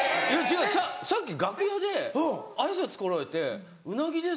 さっき楽屋で挨拶来られて「うなぎです」。